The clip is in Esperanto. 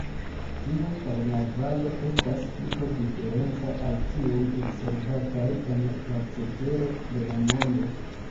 Tiu karnavalo estas tute diferenca al tiuj observataj en la cetero de la mondo.